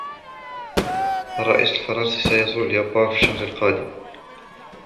الرئيس الفرنسي سيزور اليابان في الشهر القادم.